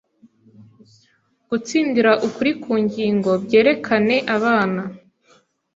Gutsindira ukuri ku ngingo byerekane abana